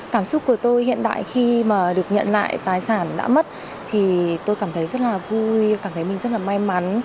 cảm xúc của tôi hiện tại khi mà được nhận lại tài sản đã mất thì tôi cảm thấy rất là vui cảm thấy mình rất là may mắn